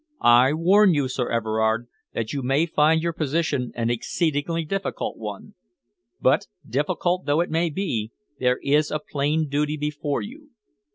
I warn you, Sir Everard, that you may find your position an exceedingly difficult one, but, difficult though it may be, there is a plain duty before you.